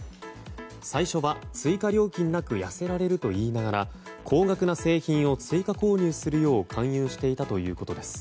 最初は追加料金なく痩せられるといいながら高額な製品を追加購入するよう勧誘していたということです。